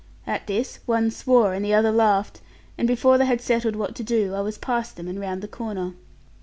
At this, one swore, and the other laughed; and before they had settled what to do, I was past them and round the corner.